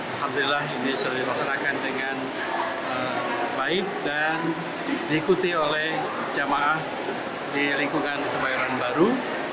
alhamdulillah ini sudah dilaksanakan dengan baik dan diikuti oleh jamaah di lingkungan kebayoran baru